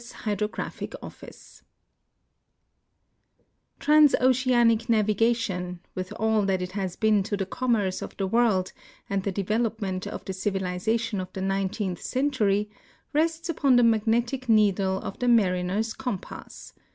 Hydrographic Office Transoceanic navigation, with all that it has been to the com merce of the world and the development of the civilization of the nineteenth century, rests upon the magnetic needle of the mari ner's compass.